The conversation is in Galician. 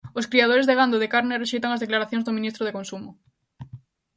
Os criadores de gando de carne rexeitan as declaracións do ministro de Consumo.